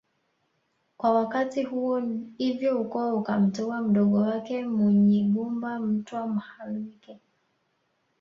Kwa wakati huo hivyo ukoo ukamteua mdogo wake Munyigumba Mtwa Mhalwike